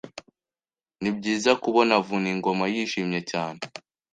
Nibyiza kubona Vuningoma yishimye cyane.